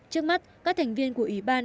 trước mắt các thành viên của ủy ban